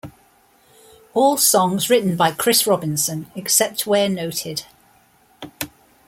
All songs written by Chris Robinson, except where noted.